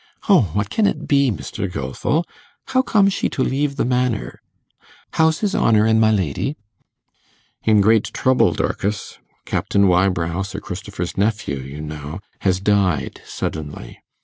O what can it be, Mr. Gilfil? How come she to leave the Manor? How's his honour an' my lady?' 'In great trouble, Dorcas. Captain Wybrow, Sir Christopher's nephew, you know, has died suddenly.